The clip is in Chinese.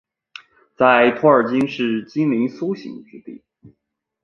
在托尔金是精灵苏醒之地。